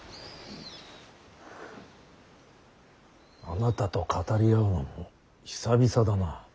あなたと語り合うのも久々だな。